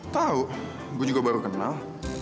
tahu gue juga baru kenal